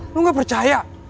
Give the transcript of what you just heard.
lu gak percaya